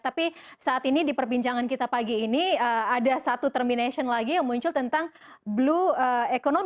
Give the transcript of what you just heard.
tapi saat ini di perbincangan kita pagi ini ada satu termination lagi yang muncul tentang blue economy